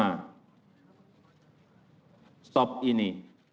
kita harus berhenti ini